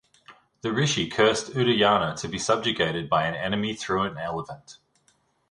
The rishi cursed Udayana to be subjugated by an enemy through an elephant.